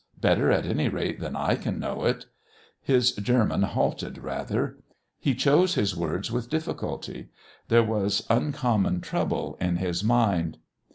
Better, at any rate, than I can know it?" His German halted rather. He chose his words with difficulty. There was uncommon trouble in his mind.